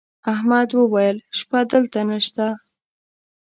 احمد وويل: شپه دلته نشته.